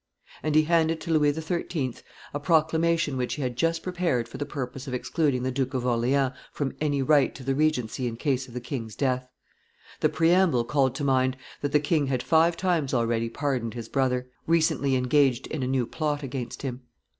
And he handed to Louis XIII. a proclamation which he had just prepared for the purpose of excluding the Duke of Orleans from any right to the regency in case of the king's death. The preamble called to mind that the king had five times already pardoned his brother, recently engaged in a new plot against him.